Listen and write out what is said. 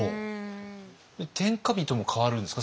天下人も変わるんですか？